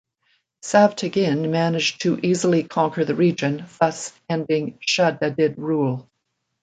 Sav-Tegin managed to easily conquer the region, thus ending Shaddadid rule.